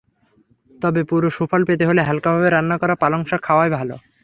তবে পুরো সুফল পেতে হলে হালকাভাবে রান্না করা পালং শাক খাওয়াই ভালো।